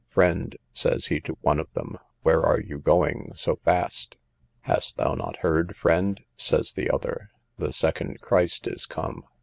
Friend, says he to one of them, where are you going so fast? Hast thou not heard, friend, says the other, the second Christ is come?